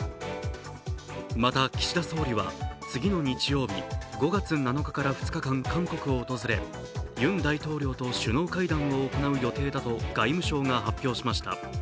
また岸田総理は次の日曜日、５月７日から２日間、韓国を訪れユン大統領と首脳会談を行う予定だと、外務省が発表しました。